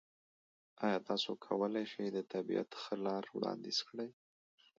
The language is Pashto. ایا تاسو کولی شئ د طبیعت ښه لار وړاندیز کړئ؟